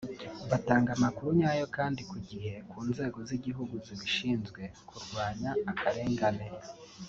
batanga amakuru nyayo kandi ku gihe ku nzego z’igihugu zibishinzwe kurwanya akarengane’’